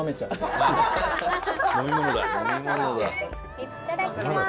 「いただきます！」